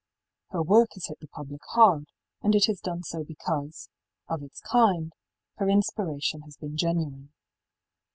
Her work has hit the public hard, and it has done so because, of its kind, her inspiration has been genuine.